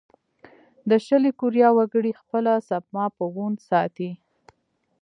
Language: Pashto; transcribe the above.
د شلي کوریا وګړي خپله سپما په وون ساتي.